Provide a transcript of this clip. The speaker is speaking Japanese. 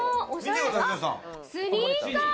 スニーカー。